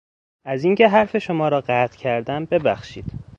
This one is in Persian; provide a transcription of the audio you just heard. از این که حرف شما را قطع کردم ببخشید.